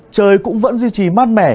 trời cũng vẫn duy trì mát mẻ